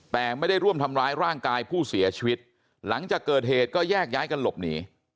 แต่ไม่ได้ร่วมทำร้ายร่างกายผู้เสียชีวิตหลังจากเกิดเหตุก็แยกย้ายกันหลบหนี